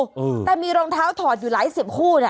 อืมแต่มีรองเท้าถอดอยู่หลาย๑๐คู่น่ะ